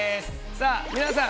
さあ皆さん